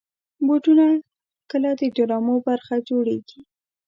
بوټونه کله د ډرامو برخه جوړېږي.